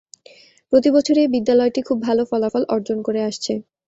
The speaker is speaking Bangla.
প্রতিবছরই এ বিদ্যালয়টি খুব ভালো ফলাফল অর্জন করে আসছে।